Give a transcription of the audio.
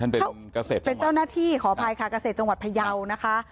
เป็นเกษตรเป็นเจ้าหน้าที่ขออภัยค่ะเกษตรจังหวัดพยาวนะคะ